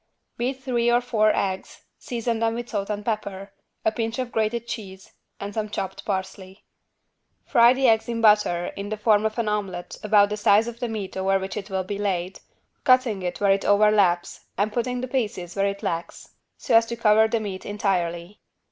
Beat three or four eggs, season them with salt and pepper, a pinch of grated cheese and some chopped parsley. Fry the eggs in butter in the form of an omelet about the size of the meat over which it will be laid, cutting it where it overlaps and putting the pieces where it lacks so as to cover the meat entirely.